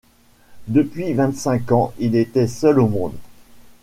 Depuis vingt-cinq ans il était seul au monde.